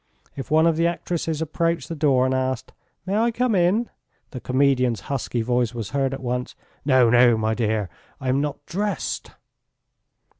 If one of the actresses approached the door and asked: "May I come in?" the comedian's husky voice was heard at once: "No, no, my dear, I am not dressed!"